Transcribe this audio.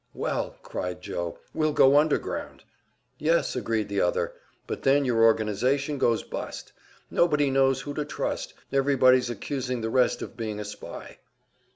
"Well," cried Joe, "we'll go underground!" "Yes," agreed the other, "but then your organization goes bust. Nobody knows who to trust, everybody's accusing the rest of being a spy."